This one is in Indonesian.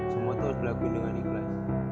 semua itu harus dilakuin dengan ikhlas